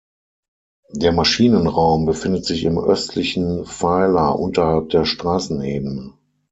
Der Maschinenraum befindet sich im östlichen Pfeiler unterhalb der Straßenebene.